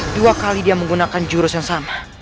dua kali dia menggunakan jurus yang sama